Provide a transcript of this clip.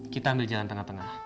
kita ambil jalan tenang tenang